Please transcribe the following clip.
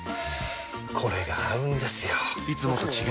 これが合うんですよ！